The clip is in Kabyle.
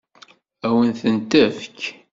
Ad wen-tent-tefk?